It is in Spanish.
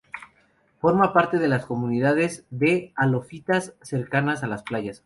Forma parte de las comunidades de halófitas, cercanas a las playas.